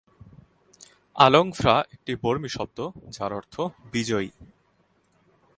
আলং-ফ্রা একটি বর্মী শব্দ যার অর্থ "বিজয়ী"।